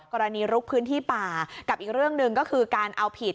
ลุกพื้นที่ป่ากับอีกเรื่องหนึ่งก็คือการเอาผิด